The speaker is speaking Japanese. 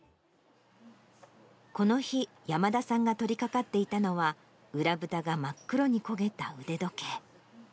この日、山田さんが取りかかっていたのは、裏ぶたが真っ黒に焦げた腕時計。